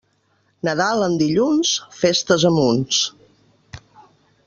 Nadal en dilluns, festes a munts.